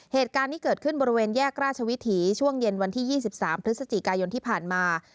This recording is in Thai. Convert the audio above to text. เหตุการณ์ที่เกิดขึ้นบริเวณแยกราชวิถีช่วงเย็นวันที่๒๓พฤศจิกายนที่ผ่านมา